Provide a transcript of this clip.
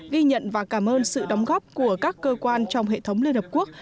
ghi nhận và cảm ơn sự đóng góp của các cơ quan trong hệ thống liên hợp quốc